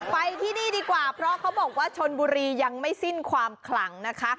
ไปที่นี่ดีกว่าเพราะเขาบอกว่าชนบุรียังไม่สิ้นความขลังนะคะ